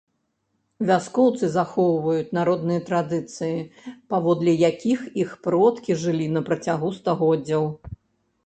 Вяскоўцы захоўваюць народныя традыцыі, паводле якіх іх продкі жылі на працягу стагоддзяў.